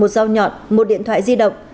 một rau nhọn một điện thoại di động